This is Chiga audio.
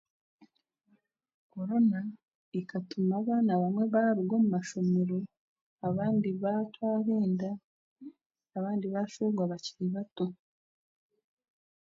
korona ekatuma abaana bamwe baaruga omu mashomero abandi baatwara enda abandi baashwegwa bakiri bato